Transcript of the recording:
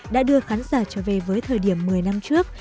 đã đưa khán giả trở về với thời điểm một mươi năm trước